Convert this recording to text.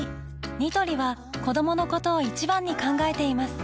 ニトリは子どものことを一番に考えています